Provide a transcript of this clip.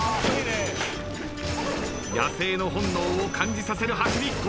野性の本能を感じさせる走り。